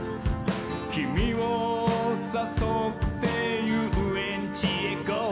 「キミをさそってゆうえんちへゴ」